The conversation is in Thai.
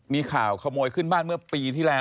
มีข่าวขโมยขึ้นบ้านเมื่อปีที่แล้ว